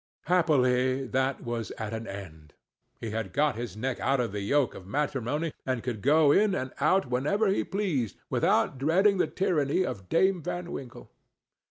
Happily that was at an end; he had got his neck out of the yoke of matrimony, and could go in and out whenever he pleased, without dreading the tyranny of Dame Van Winkle.